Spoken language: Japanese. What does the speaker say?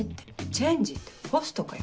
「チェンジ」ってホストかよ。